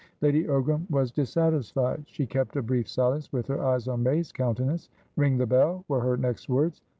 Lady Ogram was dissatisfied. She kept a brief silence, with her eyes on May's countenance. "Ring the bell," were her next words.